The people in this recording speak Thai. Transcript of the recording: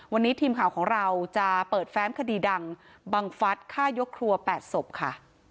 วันนี้ทีมข่าวของเราจะเปิดแฟ้มคดีดังบังฟัดฆ่ายกครัว๘ศพค่ะ